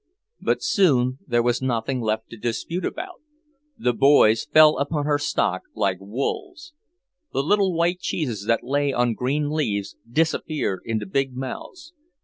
But soon there was nothing left to dispute about. The boys fell upon her stock like wolves. The little white cheeses that lay on green leaves disappeared into big mouths.